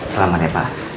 selamat ya pak